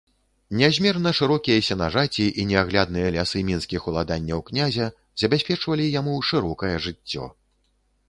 Нязмерна шырокія сенажаці і неаглядныя лясы мінскіх уладанняў князя забяспечвалі яму шырокае жыццё.